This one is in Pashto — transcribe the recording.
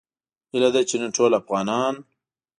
هیله ده چې نن ټول افغانان